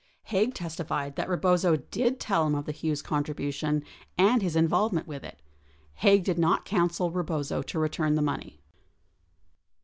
48 Haig testified that Eebozo did tell him of the Hughes contribution, and his involvement with it. Haig did not counsel Eebozo to return the money.